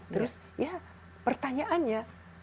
terus ya pertanyaannya